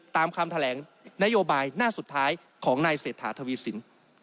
ตามคำแถลงนโยบายหน้าสุดท้ายของนายเศรษฐาทวีสิน